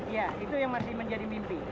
ya itu yang masih menjadi mimpi